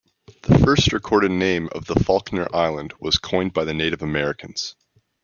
The first recorded name of the Falkner Island was coined by the Native Americans.